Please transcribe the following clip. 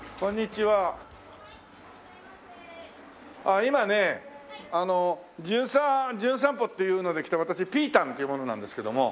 今ねあの『じゅん散歩』っていうので来た私ピータンっていう者なんですけども。